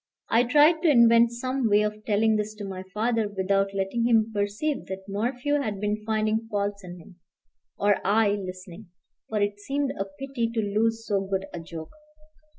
I tried to invent some way of telling this to my father without letting him perceive that Morphew had been finding faults in him, or I listening; for it seemed a pity to lose so good a joke.